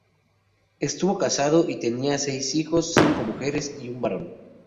Estuvo casado y tenía seis hijos, cinco mujeres y un varón.